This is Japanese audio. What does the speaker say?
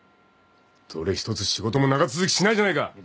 どれ一つ仕事も長続きしないじゃないか。